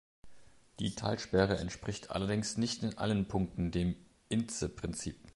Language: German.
Die Talsperre entspricht allerdings nicht in allen Punkten dem Intze-Prinzip.